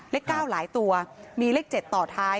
เลข๙หลายตัวมีเลข๗ต่อท้าย